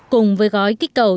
cùng với gói kích cầu